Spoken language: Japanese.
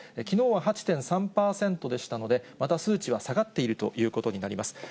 きのうは８．３％でしたので、また数値は下がっているということになります。